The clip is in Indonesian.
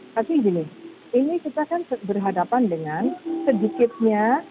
tapi gini ini kita kan berhadapan dengan sedikitnya